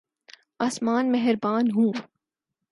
آسمان مہربان ہوں۔